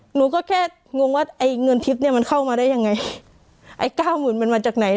หนูก็แค่งงว่าไอ้เงินทิพย์เนี้ยมันเข้ามาได้ยังไงไอ้เก้าหมื่นมันมาจากไหน